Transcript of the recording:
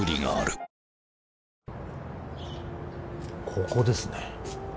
ここですね